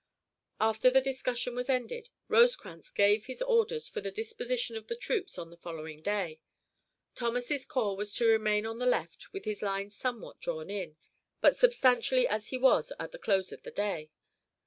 After the discussion was ended, Rosecrans gave his orders for the disposition of the troops on the following day. Thomas's corps was to remain on the left with his line somewhat drawn in, but substantially as he was at the close of the day.